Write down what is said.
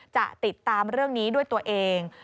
จะติดตามเรื่องนี้ด้วยตัวเอง